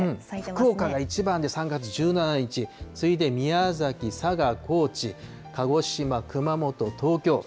福岡が一番で３月１７日、次いで宮崎、佐賀、高知、鹿児島、熊本、東京。